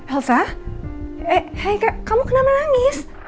eh kamu kenapa nangis